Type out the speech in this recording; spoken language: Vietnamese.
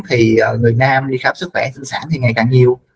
thì người nam đi khám sức khỏe sinh sản thì ngày càng nhiều